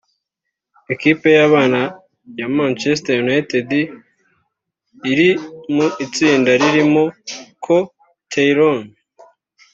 Ikipe y’abana ya Manchester United iri mu itsinda ririmo Co Tyrone